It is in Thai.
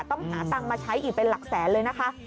ต้องหาตังค์มาใช้อีกเป็นหลักแสนเลยนะคะ